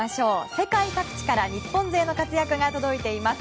世界各地から日本勢の活躍が届いています。